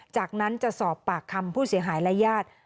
จากนั้นจะสอบปากคำผู้เสียหายและญาติ